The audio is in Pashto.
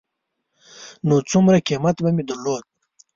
نو څومره قېمت به مې درلود.